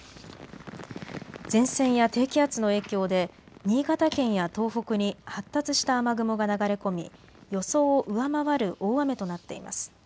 前線や低気圧の影響で新潟県や東北に発達した雨雲が流れ込み予想を上回る大雨となっています。